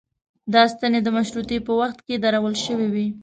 دا ستنې د مشروطې په وخت کې درول شوې وې.